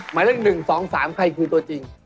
หมายเลข๑๒๓ใครคือตัวจริง